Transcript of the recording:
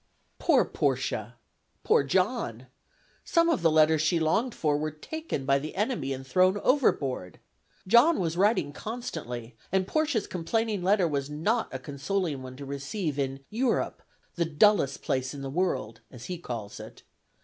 Poor Portia! poor John! Some of the letters she longed for were taken by the enemy and thrown overboard. John was writing constantly, and Portia's complaining letter was not a consoling one to receive in "Europe, the dullest place in the world," as he calls it.